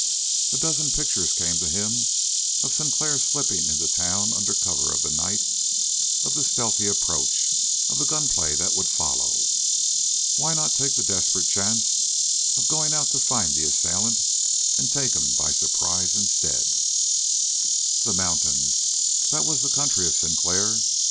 A dozen pictures came to him of Sinclair slipping into the town under cover of the night, of the stealthy approach, of the gunplay that would follow. Why not take the desperate chance of going out to find the assailant and take him by surprise instead? The mountains that was the country of Sinclair.